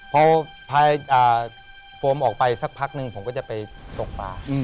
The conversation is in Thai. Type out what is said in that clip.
พอพายโฟมออกไปสักพักนึงผมก็จะไปตกปลา